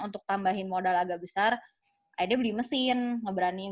dia minta tolong ke papahnya